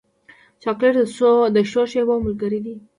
چاکلېټ د ښو شېبو ملګری دی.